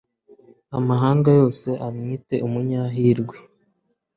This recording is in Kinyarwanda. amahanga yose amwite umunyahirwe